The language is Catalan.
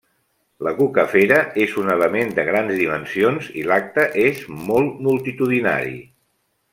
La Cucafera és un element de grans dimensions i l'acte és molt multitudinari.